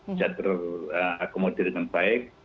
bisa terakomodir dengan baik